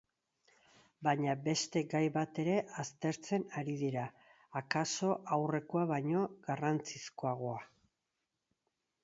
Baina beste gai bat ere aztertzen ari dira, akaso aurrekoa baino garrantzizkoagoa.